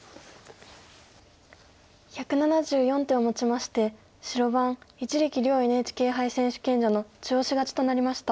１７４手をもちまして白番一力遼ＮＨＫ杯選手権者の中押し勝ちとなりました。